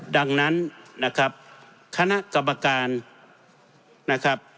ดังนั้นนะครับคณะกรรมการนะครับ